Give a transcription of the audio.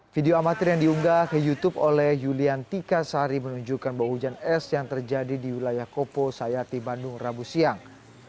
video amatir yang diunggah ke youtube oleh yulian tika sari menunjukkan bahwa hujan es yang terjadi di wilayah kopo sayati bandung rabu siang